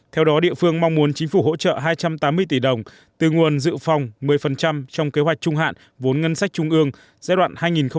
theo đó địa phương mong muốn chính phủ hỗ trợ hai trăm tám mươi tỷ đồng từ nguồn dự phòng một mươi trong kế hoạch trung hạn vốn ngân sách trung ương giai đoạn hai nghìn một mươi sáu hai nghìn hai mươi